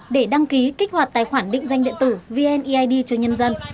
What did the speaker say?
để đăng ký kích hoạt tài khoản định danh điện tử vneid cho nhân dân